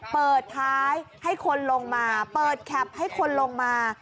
เปิดท้ายให้คนลงมาเปิดแคปให้คนลงมา